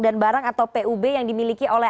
dan barang atau pub yang dimiliki oleh